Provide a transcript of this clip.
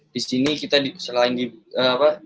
disini kita selain dikasih pelajaran